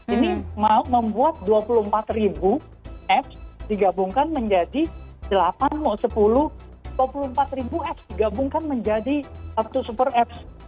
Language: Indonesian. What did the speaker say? ini membuat dua puluh empat ribu apps digabungkan menjadi sepuluh dua puluh empat ribu apps digabungkan menjadi satu super apps